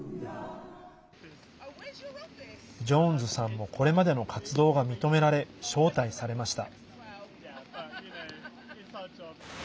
ジョーンズさんもこれまでの活動が認められ招待されました。